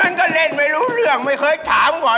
อ้าวใครทำอะไรให้คุณยายบ่โห